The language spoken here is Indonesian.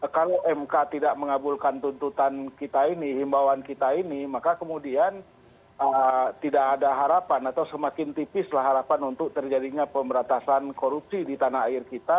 kalau mk tidak mengabulkan tuntutan kita ini himbauan kita ini maka kemudian tidak ada harapan atau semakin tipis lah harapan untuk terjadinya pemberantasan korupsi di tanah air kita